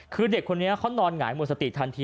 คือเด็กคนนี้เขานอนหงายหมดสติทันที